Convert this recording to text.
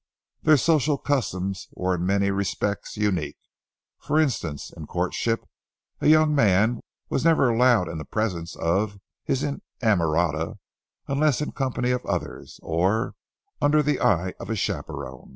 Their social customs were in many respects unique. For instance, in courtship a young man was never allowed in the presence of his inamorata, unless in company of others, or under the eye of a chaperon.